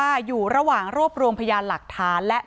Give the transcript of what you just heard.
ที่โพสต์ก็คือเพื่อต้องการจะเตือนเพื่อนผู้หญิงในเฟซบุ๊คเท่านั้นค่ะ